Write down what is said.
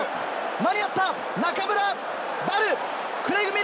間に合った中村。